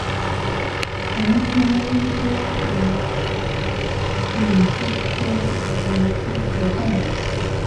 长春微蛛为皿蛛科微蛛属的动物。